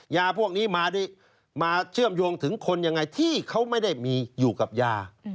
ยาพวกนี้มาเชื่อมโยงถึงคนยังไงที่เขาไม่ได้มีอยู่กับยา